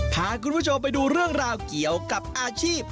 พาคุณผู้ชมไปดูเรื่องราวเกี่ยวกับอาชีพ